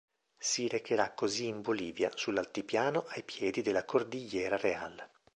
Si recherà così in Bolivia, sull’altipiano ai piedi della Cordillera Real.